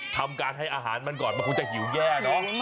ทำการให้อาหารมันก่อนมันคงจะหิวแย่เนอะ